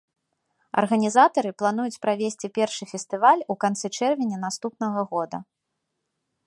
Арганізатары плануюць правесці першы фестываль у канцы чэрвеня наступнага года.